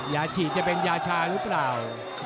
ยาฉีดจะเป็นยาชาหรือเปล่า